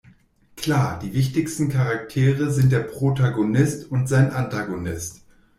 Klar, die wichtigsten Charaktere sind der Protagonist und sein Antagonist.